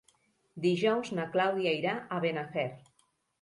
Dijous na Clàudia irà a Benafer.